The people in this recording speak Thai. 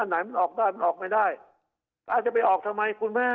อันไหนมันออกได้อันออกไม่ได้